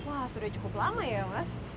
wah sudah cukup lama ya mas